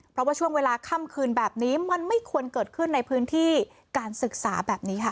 เพราะว่าช่วงเวลาค่ำคืนแบบนี้มันไม่ควรเกิดขึ้นในพื้นที่การศึกษาแบบนี้ค่ะ